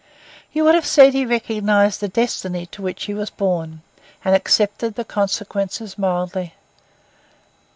You would have said he recognised a destiny to which he was born, and accepted the consequences mildly.